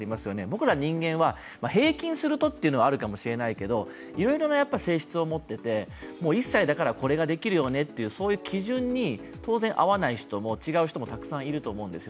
僕ら人間は平均するとというのはあるかもしれないけどいろいろな性質を持ってて１歳だからこれができるよねというそういう基準に当然合わない人も違う人も当然いると思うんですよ。